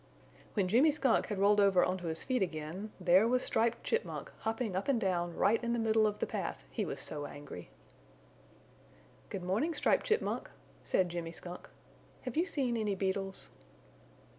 When Jimmy Skunk had rolled over onto his feet again there was Striped Chipmunk hopping up and down right in the middle of the path, he was so angry. "Good morning, Striped Chipmunk," said Jimmy Skunk. "Have you seen any beetles?"